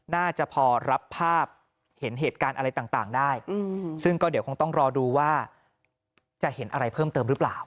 น่าจะพอรับภาพเห็นเหตุการณ์อะไรต่างได้ซึ่งก็เดี๋ยวคงต้องรอดูว่าจะเห็นอะไรเพิ่มเติมหรือเปล่า